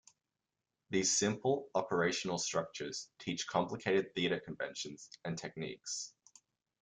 These simple, operational structures teach complicated theater conventions and techniques.